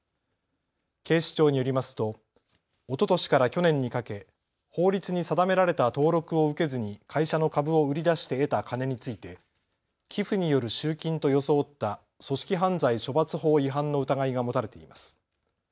警視庁によりますとおととしから去年にかけ法律に定められた登録を受けずに会社の株を売り出して得た金について寄付による集金と装った組織犯罪処罰法違反の疑いが持たれています。